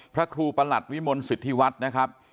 พระครูประหลัดวิมลสิทธิวัฒน์นะครับ